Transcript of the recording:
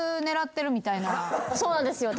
そうなんですよ私。